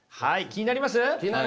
気になります！